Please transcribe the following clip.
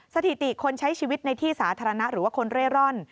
สถิติคนใช้ชีวิตในที่สาธารณะหรือว่าคนเร่ร่อน